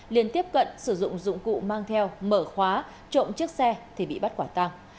liên tiếp cận sử dụng dụng cụ mang theo mở khóa trộm chiếc xe thì bị bắt quả tàng